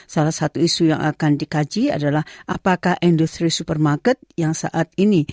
salah satu isu yang akan dikaji adalah apakah industri supermarket yang saat ini